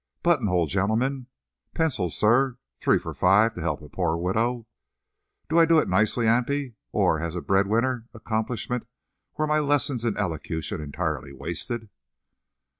Buttonhole, gentleman? Pencils, sir, three for five, to help a poor widow?' Do I do it nicely, auntie, or, as a bread winner accomplishment, were my lessons in elocution entirely wasted?"